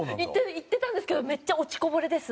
いってたんですけどめっちゃ落ちこぼれです。